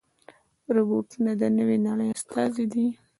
روبوټونه د نوې نړۍ استازي دي.